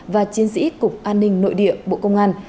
và chiến sĩ cục an ninh nội địa bộ công an